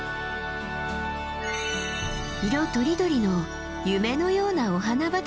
色とりどりの夢のようなお花畑。